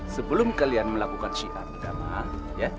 sebelum kalian melakukan syi'an inama